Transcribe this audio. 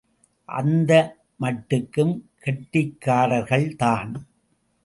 அந்த மட்டுக்கும் கெட்டிக்காரர்கள்தான்!